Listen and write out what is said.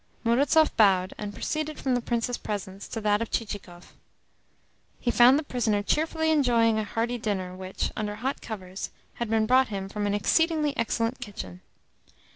Murazov bowed, and proceeded from the Prince's presence to that of Chichikov. He found the prisoner cheerfully enjoying a hearty dinner which, under hot covers, had been brought him from an exceedingly excellent kitchen.